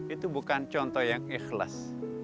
itu bukan contoh yang ikhlas